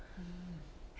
え？